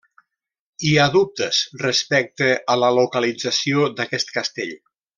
Hi ha dubtes respecte a la localització d'aquest castell.